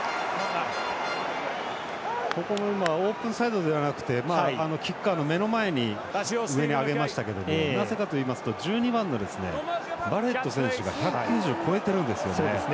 オープンサイドではなくてキッカーの目の前に上に上げましたけどなぜかといいますと１２番のバレット選手が１９０ｃｍ超えてるんですよね。